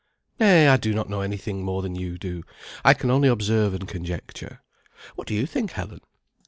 "Nay, I do not know any thing more than you do; I can only observe and conjecture. What do you think, Helen?"